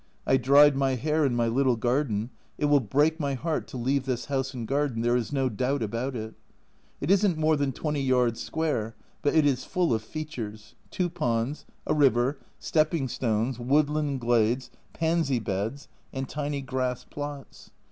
I dried my hair in my little garden it will break my heart to leave this house and garden, there is no doubt about it. It isn't more than 20 yards square, but it is full of features two ponds, a river, stepping stones, woodland glades, pansy beds, and tiny grass plots.